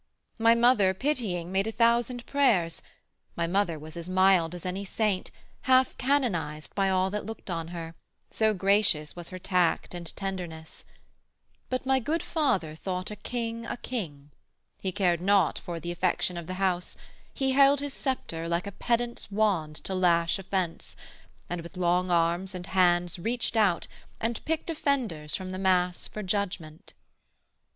My mother pitying made a thousand prayers; My mother was as mild as any saint, Half canonized by all that looked on her, So gracious was her tact and tenderness: But my good father thought a king a king; He cared not for the affection of the house; He held his sceptre like a pedant's wand To lash offence, and with long arms and hands Reached out, and picked offenders from the mass For judgment.